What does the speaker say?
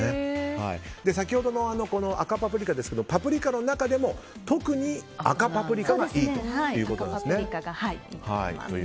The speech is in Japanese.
先ほどの赤パプリカですけどもパプリカの中でも特に赤パプリカがいいということなんですね